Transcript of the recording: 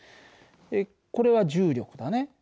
これは重力だね。